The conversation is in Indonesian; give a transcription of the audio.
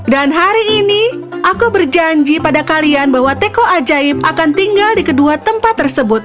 dan hari ini aku berjanji pada kalian bahwa teko ajaib akan tinggal di kedua tempat tersebut